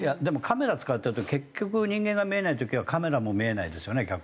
でもカメラ使ってると結局人間が見えない時はカメラも見えないんですよね